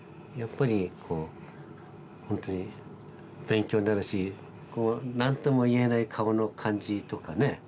やっぱりこう本当に勉強になるし何とも言えない顔の感じとかね。